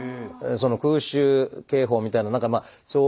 空襲警報みたいな何かまあそういうの。